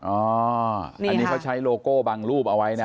อันนี้เขาใช้โลโก้บังรูปเอาไว้นะ